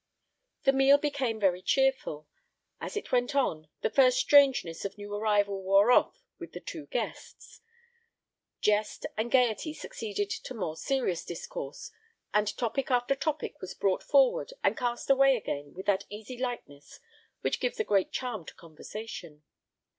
The meal became very cheerful: as it went on, the first strangeness of new arrival wore off with the two guests. Jest and gaiety succeeded to more serious discourse, and topic after topic was brought forward and cast away again with that easy lightness which gives a great charm to conversation.